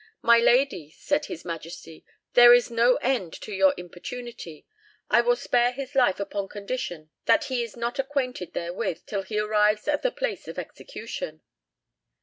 "My lady," said His Majesty, "there is no end to your importunity. I will spare his life upon condition that he is not acquainted therewith till he arrives at the place of execution."